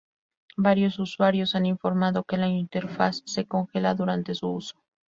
Varios usuarios han informado que la interfaz se congela durante su uso.